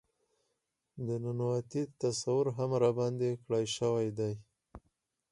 د ننواتې تصور هم را وړاندې کړے شوے دے.